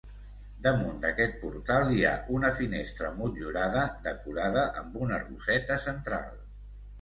Damunt d'aquest portal hi ha una finestra motllurada, decorada amb una roseta central.